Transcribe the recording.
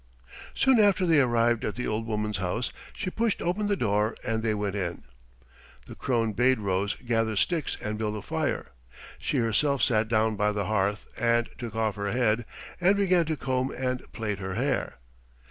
Soon after they arrived at the old woman's house. She pushed open the door, and they went in. The crone bade Rose gather sticks and build a fire; she herself sat down by the hearth, and took off her head, and began to comb and plait her hair.